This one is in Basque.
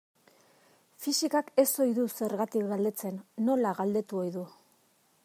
Fisikak ez ohi du zergatik galdetzen, nola galdetu ohi du.